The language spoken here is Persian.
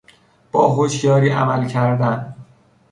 با هشیاری عمل کردن